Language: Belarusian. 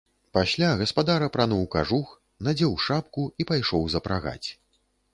Пасля гаспадар апрануў кажух, надзеў шапку і пайшоў запрагаць.